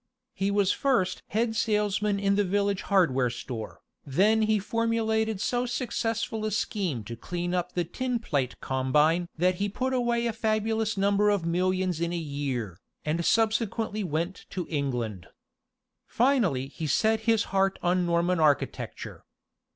He was first head salesman in the village hardware store, then he formulated so successful a scheme to clean up the Tin Plate Combine that he put away a fabulous number of millions in a year, and subsequently went to England. Finally he set his heart on Norman architecture.